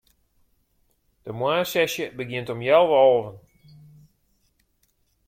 De moarnssesje begjint om healwei alven.